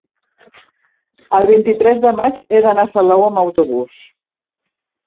el vint-i-tres de maig he d'anar a Salou amb autobús.